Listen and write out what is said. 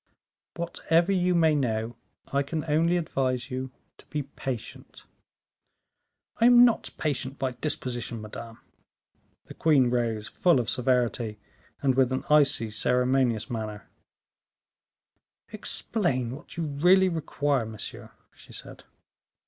"Whatever you may know, I can only advise you to be patient." "I am not patient by disposition, madame." The queen rose, full of severity, and with an icy ceremonious manner. "Explain what you really require, monsieur," she said.